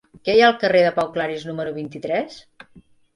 Què hi ha al carrer de Pau Claris número vint-i-tres?